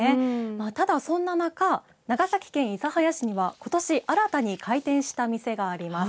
ただ、そんな中長崎県諫早市にはことし新たに開店した店があります。